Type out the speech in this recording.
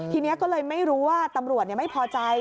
ทีนี้ก็เลยไม่รู้ว่าตำรวจไม่พอใจ